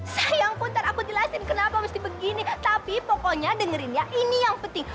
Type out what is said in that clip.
sayang pun ntar aku jelasin kenapa mesti begini tapi pokoknya dengerin ya ini yang penting